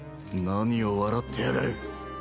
何を笑ってやがる。